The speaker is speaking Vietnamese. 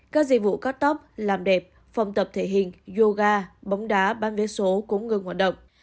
các dịch vụ cắt tóp làm đẹp phòng tập thể hình yoga bóng đá bán vé số cũng ngừng hoạt động